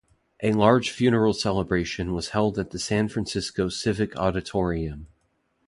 A large funeral celebration was held at the San Francisco Civic Auditorium.